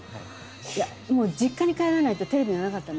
いやもう実家に帰らないとテレビがなかったんです。